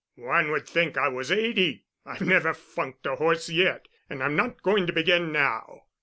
One would think I was eighty; I've never funked a horse yet, and I'm not going to begin now."